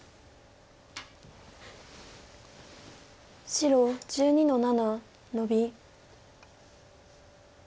白１２の七ノビ。